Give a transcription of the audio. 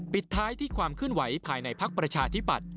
ปิดท้ายที่ความขื่นไหวภายในพรรคประชะธิบัติ